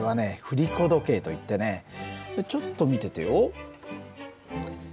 振り子時計といってねちょっと見ててよ。